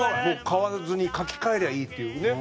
買わずに書き換えりゃいいっていうね。